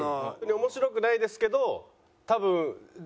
面白くないですけど多分。